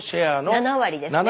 ７割ですね。